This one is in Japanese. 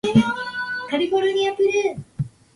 先に吾輩が耳にしたという不徳事件も実は黒から聞いたのである